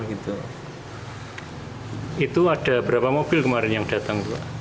itu ada berapa mobil kemarin yang datang